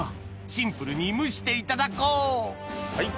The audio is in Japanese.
シンプルに蒸していただこうはい。